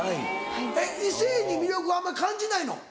えっ異性に魅力あんまり感じないの？